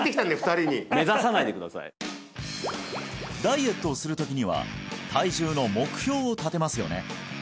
２人に目指さないでくださいダイエットをするときには体重の目標を立てますよね